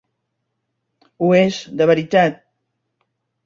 Ho és, de veritat!